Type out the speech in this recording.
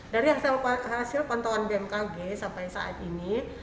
dari hasil pantauan bmkg sampai saat ini